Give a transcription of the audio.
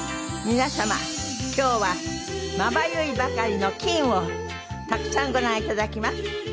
皆様今日はまばゆいばかりの金をたくさんご覧頂きます。